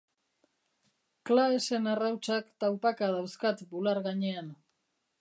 Claesen errautsak taupaka dauzkat bular gainean.